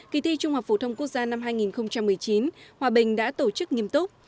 kỳ thi trung học phổ thông quốc gia năm hai nghìn một mươi chín hòa bình đã tổ chức nghiêm túc